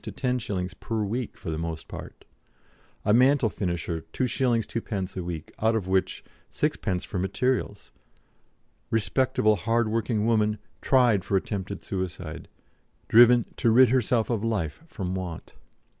to 10s. per week for the most part; a mantle finisher 2s. 2d. a week, out of which 6d. for materials; "respectable hard working woman" tried for attempted suicide, "driven to rid herself of life from want."